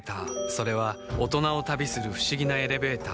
それは大人を旅する不思議なエレベーター